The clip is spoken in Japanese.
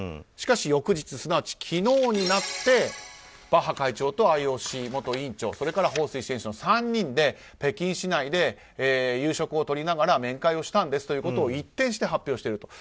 しかし翌日すなわち昨日になってバッハ会長とＩＯＣ元委員長それからホウ・スイ選手の３人で北京市内で夕食をとりながら面会をしたんですということを一転して発表している。